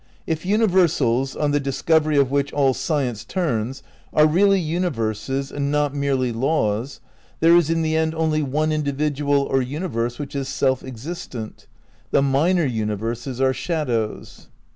... "If universals (on the discovery of which all science turns) are really universes and not merely laws, there is in the end only one individual or universe which is self existent ; the minor universes are shadows."